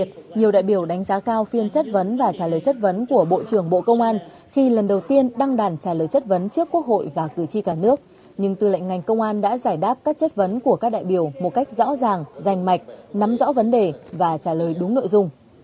trong nhiều đại biểu đánh giá cao phiên chất vấn và trả lời chất vấn của bộ trưởng bộ công an khi lần đầu tiên đăng đàn trả lời chất vấn trước quốc hội và cử tri cả nước nhưng tư lệnh ngành công an đã giải đáp các chất vấn của các đại biểu một cách rõ ràng rành mạch nắm rõ vấn đề và trả lời đúng nội dung